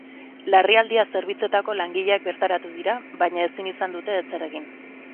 Larrialdia zerbitzuetako langileak bertaratu dira, baina ezin izan dute ezer egin.